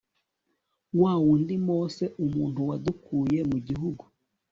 wa wundi Mose umuntu wadukuye mu gihugu